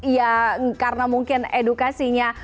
ya karena mungkin edukasinya